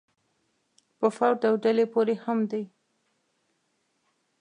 په فرد او ډلې پورې هم دی.